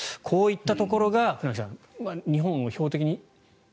こういったところが船木さん日本を標的に。